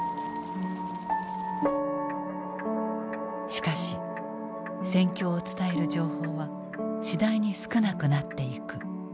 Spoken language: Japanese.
しかし戦況を伝える情報は次第に少なくなっていく。